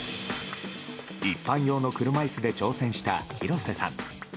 一般用の車椅子で挑戦した廣瀬さん。